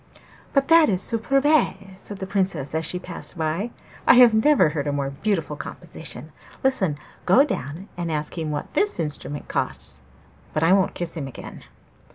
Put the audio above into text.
'But that is superbe!' said the Princess as she passed by. 'I have never heard a more beautiful composition. Listen! Go down and ask him what this instrument costs; but I won't kiss him again.